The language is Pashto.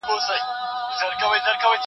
زه به سبا مکتب ته ځم.